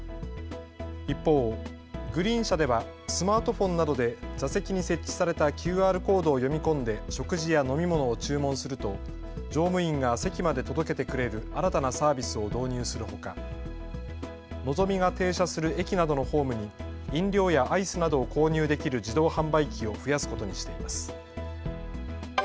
一方、グリーン車ではスマートフォンなどで座席に設置されたＱＲコードを読み込んで食事や飲み物を注文すると乗務員が席まで届けてくれる新たなサービスを導入するほかのぞみが停車する駅などのホームに飲料やアイスなどを購入できる自動販売機を増やすことにしています。